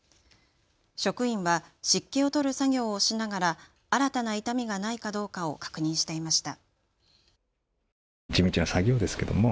職員は湿気を取る作業をしながら新たな傷みがないかどうかを確認していました。